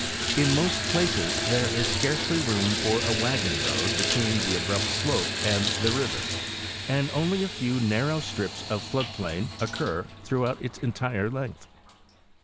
In most places there is scarcely room for a wagon road between the abrupt slope and the river, and only a few narrow strips of flood plain occur throughout its entire length.